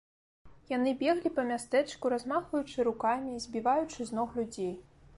Яны беглі па мястэчку, размахваючы рукамі, збіваючы з ног людзей.